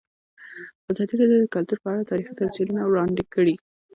ازادي راډیو د کلتور په اړه تاریخي تمثیلونه وړاندې کړي.